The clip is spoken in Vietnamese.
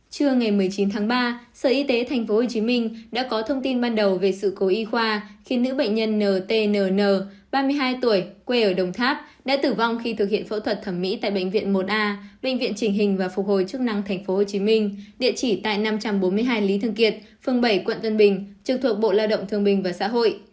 chưa ngày một mươi chín tháng ba sở y tế tp hcm đã có thông tin ban đầu về sự cố y khoa khi nữ bệnh nhân ntnn ba mươi hai tuổi quê ở đồng tháp đã tử vong khi thực hiện phẫu thuật thẩm mỹ tại bệnh viện một a bệnh viện trình hình và phục hồi chức năng tp hcm địa chỉ tại năm trăm bốn mươi hai lý thương kiệt phương bảy quận tân bình trực thuộc bộ lao động thương bình và xã hội